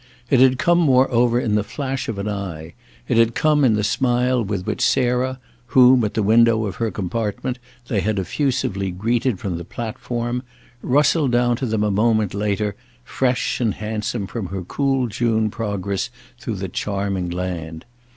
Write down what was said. It had come moreover in the flash of an eye, it had come in the smile with which Sarah, whom, at the window of her compartment, they had effusively greeted from the platform, rustled down to them a moment later, fresh and handsome from her cool June progress through the charming land.